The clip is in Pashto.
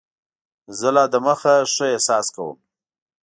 زه لا دمخه ښه احساس کوم.